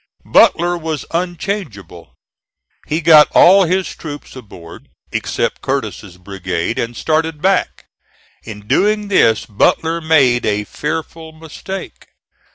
Butler was unchangeable. He got all his troops aboard, except Curtis's brigade, and started back. In doing this, Butler made a fearful mistake.